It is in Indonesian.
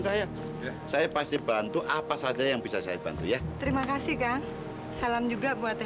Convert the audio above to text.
saya saya pasti bantu apa saja yang bisa saya bantu ya terima kasih kan salam juga buat